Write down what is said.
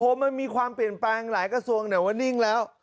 มันมีความเปลี่ยนแปลงหลายกระทรวงแต่ว่านิ่งแล้ว